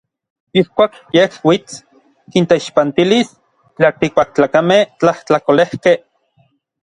Ijkuak yej uits, kinteixpantilis n tlaltikpaktlakamej tlajtlakolejkej.